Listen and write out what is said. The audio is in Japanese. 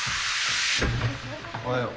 おはよう。